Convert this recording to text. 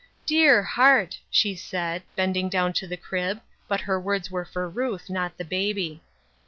" Dear heart," she said, bending down to the crib, but her words were for Ruth, not the baby.